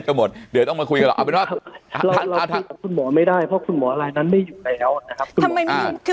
สมุดแค่นั้นไม่อยู่๑๗๐๐